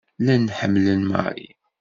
Llan ḥemmlen Mary.